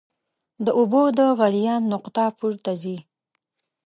د اوبو د غلیان نقطه پورته ځي.